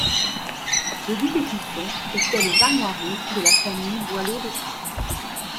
Ledit écusson était les armoiries de la famille Boileau de Grâce.